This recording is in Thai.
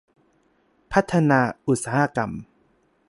พัฒนาอุตสาหกรรม